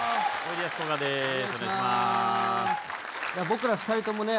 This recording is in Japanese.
僕ら２人ともね